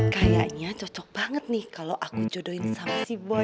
kayaknya cocok banget nih kalau aku jodohin sama si bo